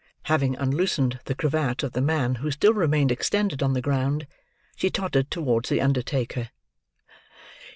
Having unloosened the cravat of the man who still remained extended on the ground, she tottered towards the undertaker.